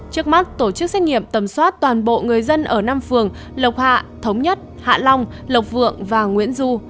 trước mắt tổ chức xét nghiệm tầm soát toàn bộ người dân ở năm phường lộc hạ thống nhất hạ long lộc vượng và nguyễn du